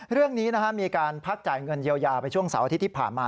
เรื่องนี้มีการพักจ่ายเงินเยียวยาไปช่วงเสาร์อาทิตย์ที่ผ่านมา